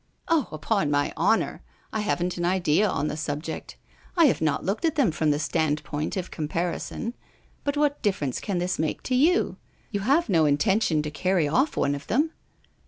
"Oh! upon my honor, I haven't an idea on the subject. I have not looked at them from the standpoint of comparison. But what difference can this make to you? You have no intention to carry off one of them?"